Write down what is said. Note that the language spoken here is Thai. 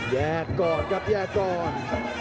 แยกก่อนครับแยกก่อน